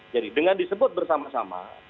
jadi dengan disebut bersama sama